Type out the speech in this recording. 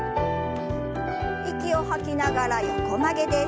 息を吐きながら横曲げです。